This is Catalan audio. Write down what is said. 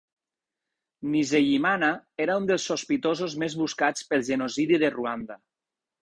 Nizeyimana era un dels sospitosos més buscats pel genocidi de Rwanda.